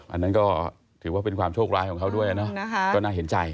อันนั้นก็ถือว่าเป็นความโชคร้ายของเขาด้วยเนอะก็น่าเห็นใจ